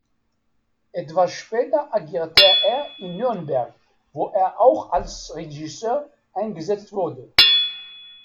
Etwas später agierte er in Nürnberg, wo er auch als Regisseur eingesetzt wurde.